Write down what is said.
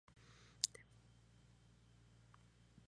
Pedernera pasó a Platense.